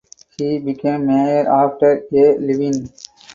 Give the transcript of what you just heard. He became mayor after Ye Lwin.